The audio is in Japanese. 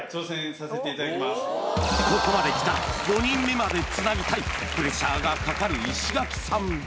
ここまできたら５人目までつなぎたいプレッシャーがかかる石垣さん